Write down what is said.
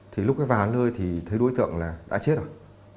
thì lúc cái vào tận lơi thì thấy đối tượng là đã chết rồi